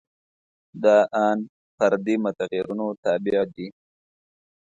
دا ان فردي متغیرونو تابع دي.